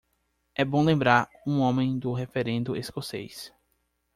É bom lembrar um homem do referendo escocês.